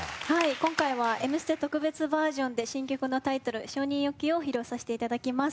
今回は「Ｍステ」特別バージョンで新曲のタイトル「承認欲求」を披露させていただきます。